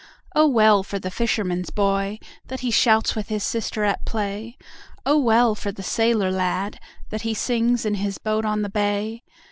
O well for the fisherman's boy, That he shouts with his sister at play!O well for the sailor lad, That he sings in his boat on the bay!